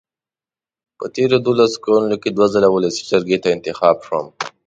په تېرو دولسو کالو کې دوه ځله ولسي جرګې ته انتخاب شوم.